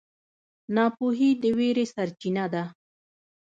ناپوهي د وېرې سرچینه ده.